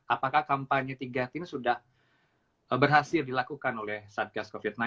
apakah kampanye tiga t ini sudah berhasil dilakukan oleh satgas covid sembilan belas